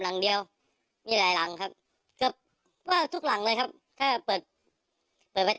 หลังเดียวมีหลายหลังครับก็ว่าทุกหลังเลยครับถ้าเปิดเปิดไว้